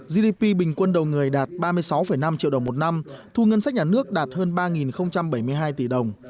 gdp bình quân đầu người đạt ba mươi sáu năm triệu đồng một năm thu ngân sách nhà nước đạt hơn ba bảy mươi hai tỷ đồng